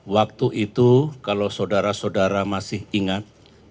waktu itu kalau saudara saudara masih ingat